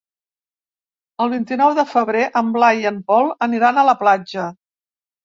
El vint-i-nou de febrer en Blai i en Pol aniran a la platja.